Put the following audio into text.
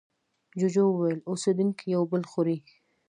جوجو وویل اوسېدونکي یو بل خوري.